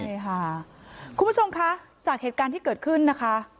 ใช่ค่ะคุณผู้ชมคะจากเหตุการณ์ที่เกิดขึ้นนะคะ